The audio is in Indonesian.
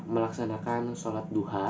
melaksanakan sholat duha